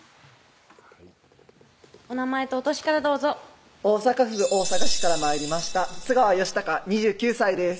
お名前とお歳からどうぞ大阪府大阪市から参りました津川良貴２９歳です